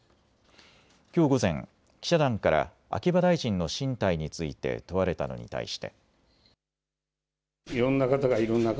きょう午前、記者団から秋葉大臣の進退について問われたのに対して。